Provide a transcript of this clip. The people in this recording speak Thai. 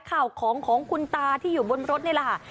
ข่าวของของคุณตาที่อยู่บนรถนี่แหละค่ะ